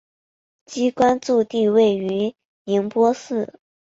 机关驻地位于宁波市。